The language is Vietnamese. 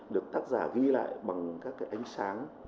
được tác giả ghi lại bằng các cái ánh sáng